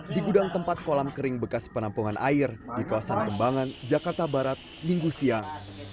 di gudang tempat kolam kering bekas penampungan air di kawasan kembangan jakarta barat minggu siang